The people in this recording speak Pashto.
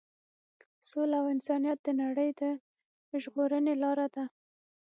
سوله او انسانیت د نړۍ د ژغورنې لار ده.